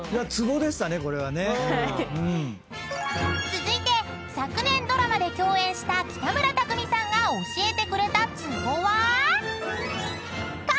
［続いて昨年ドラマで共演した北村匠海さんが教えてくれたツボは］